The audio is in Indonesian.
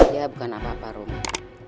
dia bukan apa apa rumah